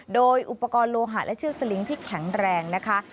โดยอุปกรณ์โลหะและเชือกสลิงค์ที่แข็งแรงนะคะ